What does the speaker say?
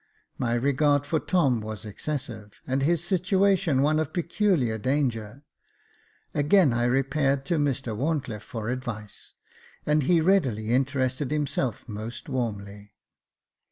My regard for Tom was excessive, and his situation one of peculiar danger. Again I repaired to Mr WharnclifFe for advice, and he readily interested himself most warmly.